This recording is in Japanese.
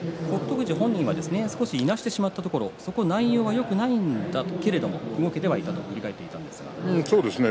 富士本人は少し、いなしてしまったところそこは内容はよくないんだけれども動けていたと振り返っています。